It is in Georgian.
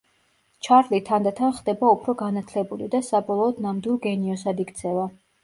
ჩარლი თანდათან ხდება უფრო განათლებული და საბოლოოდ ნამდვილ გენიოსად იქცევა.